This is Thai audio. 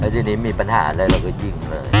ทีนี้มีปัญหาอะไรเราก็ยิงเลย